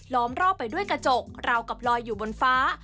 รอบไปด้วยกระจกราวกับลอยอยู่บนฟ้า